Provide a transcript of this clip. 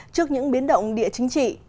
trước những biến động địa chính trị